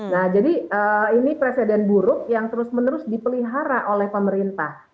nah jadi ini presiden buruk yang terus menerus dipelihara oleh pemerintah